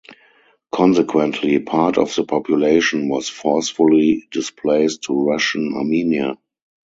Consequently, part of the population was forcefully displaced to Russian Armenia.